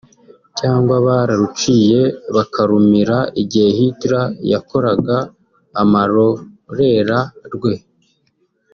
cyangwa bararuciye bakarumira igihe Hitler yakoraga amarorera rwe